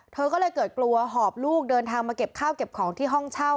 เธอก็เลยเกิดกลัวหอบลูกเดินทางมาเก็บข้าวเก็บของที่ห้องเช่า